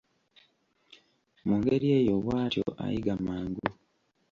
Mu ngeri eyo bw'atyo ayiga mangu.